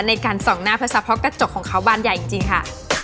ในการส่องหน้าเพื่อทรัพย์เพราะกระจกของเขาบานใหญ่จริงค่ะ